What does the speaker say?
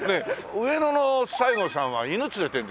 上野の西郷さんは犬連れてるんですよ。